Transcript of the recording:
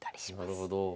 なるほど。